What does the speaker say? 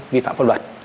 vi phạm pháp luật